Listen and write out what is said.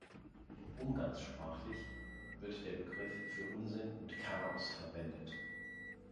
Umgangssprachlich wird der Begriff für Unsinn und Chaos verwendet.